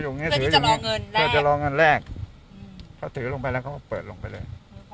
เพราะรุงถืออยู่ที่ลองเงินแรกเขาถือลงไปแล้วเขาเปิดลงไปเลย